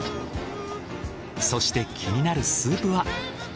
そして気になるスープは。